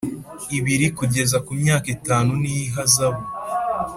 Ibiri kugeza ku myaka itanu n ihazabu